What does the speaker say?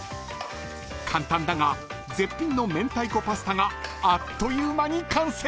［簡単だが絶品のめんたいこパスタがあっという間に完成！］